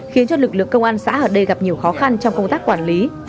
khiến cho lực lượng công an xã ở đây gặp nhiều khó khăn trong công tác quản lý